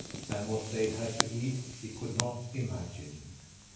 And what they had to eat he could not imagine.